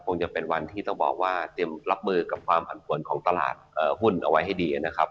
คงจะเป็นวันที่ต้องบอกว่าเตรียมรับมือกับความผันผวนของตลาดหุ้นเอาไว้ให้ดีนะครับ